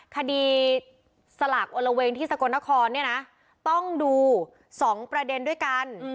คดีสลากโอละเวงที่สกลนครเนี่ยนะต้องดู๒ประเด็นด้วยกัน